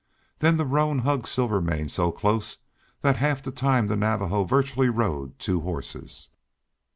Then the roan hugged Silvermane so close that half the time the Navajo virtually rode two horses.